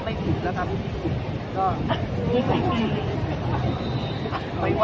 ร้อยนรับก็จบแล้ว